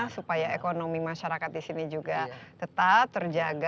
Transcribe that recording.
supaya ekonomi masyarakat di sini juga tetap terjaga